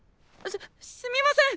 すすみません！